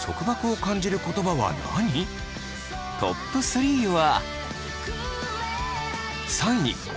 トップ３は。